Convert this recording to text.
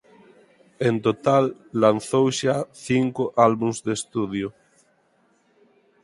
En total lanzou xa cinco álbums de estudio.